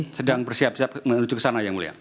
sedang bersiap siap menuju ke sana yang mulia